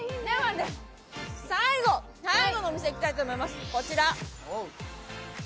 最後のお店、行きたいと思います。